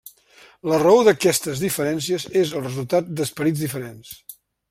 La raó d'aquestes diferències és el resultat esperits diferents.